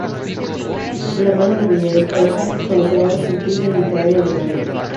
De la mano de Villaespesa, conocerá las tertulias literarias de Madrid.